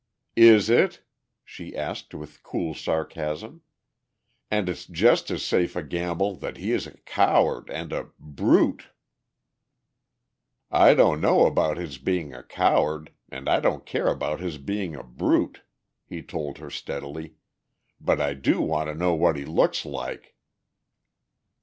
"Is it?" she asked with cool sarcasm. "And it's just as safe a gamble that he is a coward and a ... brute!" "I don't know about his being a coward, and I don't care about his being a brute," he told her steadily. "But I do want to know what he looks like."